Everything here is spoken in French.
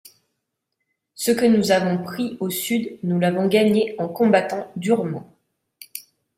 Ce que nous avons pris au Sud, nous l'avons gagné en combattant durement.